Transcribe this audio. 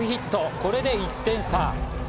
これで１点差。